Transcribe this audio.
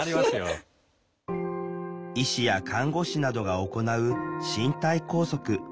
医師や看護師などが行う身体拘束。